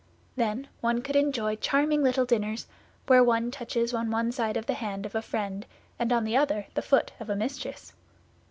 Then one could enjoy charming little dinners, where one touches on one side the hand of a friend, and on the other the foot of a mistress.